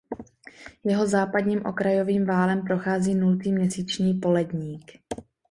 Jeho západním okrajovým valem prochází nultý měsíční poledník.